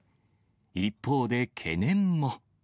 一方で、懸念も。